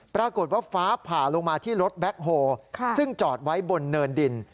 ปรากฏว่าฟ้าผ่าลงมาที่รถแบ็คโฮซึ่งจอดไว้บนเนินดิน